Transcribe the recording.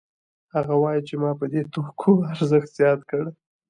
هغه وايي چې ما په دې توکو ارزښت زیات کړ